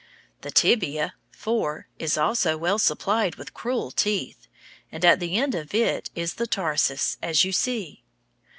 The tibia, IV, is also well supplied with cruel teeth, and at the end of it is the tarsus, as you see.